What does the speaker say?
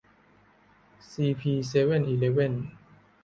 ซีพี เซเว่นอีเลฟเว่น